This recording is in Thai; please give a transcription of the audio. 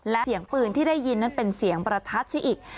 และเสียงปืนที่ได้ยินนั้นเป็นเสียงประทัดซะอีก